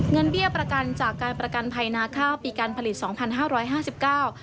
เงินเบี้ยประกันจากการประกันภัยหน้าข้าวปีการผลิต๒๕๕๙บาท